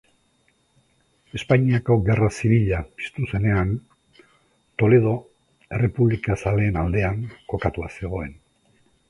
Espainiako Gerra Zibila piztu zenean, Toledo errepublikazaleen aldean kokatua zegoen.